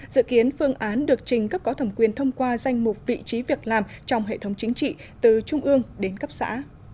dự kiến phương án được trình cấp có thẩm quyền thông qua danh mục vị trí việc làm trong hệ thống chính trị từ trung ương đến cấp xã